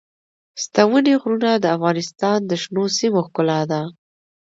ستوني غرونه د افغانستان د شنو سیمو ښکلا ده.